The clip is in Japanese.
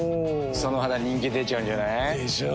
その肌人気出ちゃうんじゃない？でしょう。